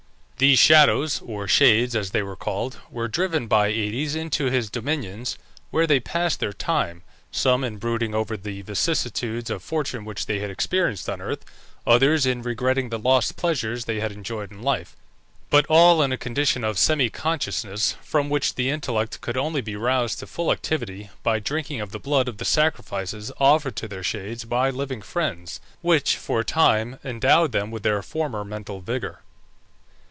These shadows, or shades as they were called, were driven by Aïdes into his dominions, where they passed their time, some in brooding over the vicissitudes of fortune which they had experienced on earth, others in regretting the lost pleasures they had enjoyed in life, but all in a condition of semi consciousness, from which the intellect could only be roused to full activity by drinking of the blood of the sacrifices offered to their shades by living friends, which, for a time, endowed them with their former mental vigour.